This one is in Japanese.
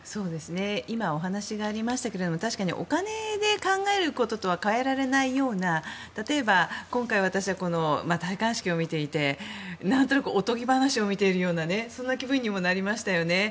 今お話がありましたがお金で考えることとはかえられないような例えば、今回私はこの戴冠式を見ていて何となくおとぎ話を見ているような気分にもなりましたよね。